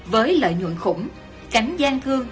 với lợi nhuận khủng cánh gian thương